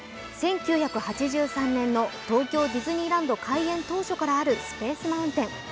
１９８３年の東京ディズニーランド開園当初からあるスペース・マウンテン。